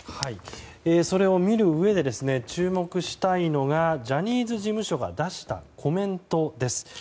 それを見るうえで注目したいのがジャニーズ事務所が出したコメントです。